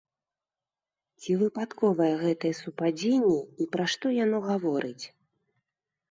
Ці выпадковае гэтае супадзенне і пра што яно гаворыць?